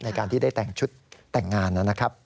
ในการที่ได้แต่งชุดแต่งงานนะครับ